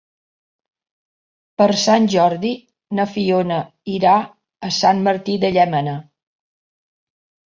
Per Sant Jordi na Fiona irà a Sant Martí de Llémena.